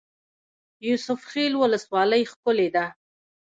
یوسف خیل ولسوالۍ ښکلې ده؟